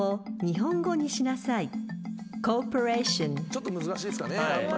ちょっと難しいですかね。